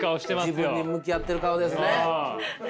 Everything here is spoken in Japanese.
自分に向き合ってる顔ですね。